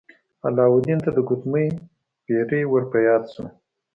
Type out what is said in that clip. علاوالدین ته د ګوتمۍ پیری ور په یاد شو.